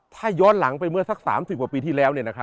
ถ้าย้อนหลังไปเมื่อสัก๓๐กว่าปีที่แล้ว